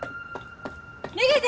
逃げて！